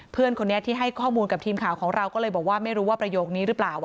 เพื่อนคนนี้ที่ให้ข้อมูลกับทีมข่าวของเราก็เลยบอกว่าไม่รู้ว่าประโยคนี้หรือเปล่า